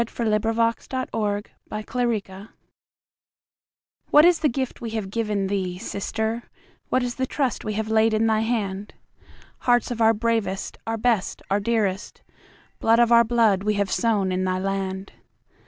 Frederick George Scott To France WHAT is the gift we have given thee, Sister? What is the trust we have laid in thy hand? Hearts of our bravest, our best, and our dearest, Blood of our blood we have sown in thy land.